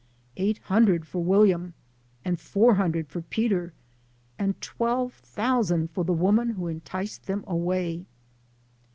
Eight hundred for William, and four hundred for Peter, and twelve thousand for the woman who enticed them away.